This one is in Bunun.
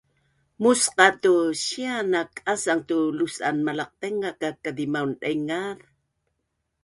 musqa tu sia naak asang tu lus’an Malaqtainga ka kazimaun daingaz